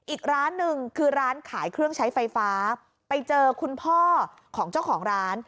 อีกร้านหนึ่งคือร้านขายเครื่องใช้ไฟฟ้าไปเจอคุณพ่อของเจ้าของร้าน